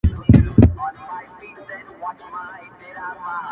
ساتلی مي د زړه حرم کي ستا ښکلی تصویر دی,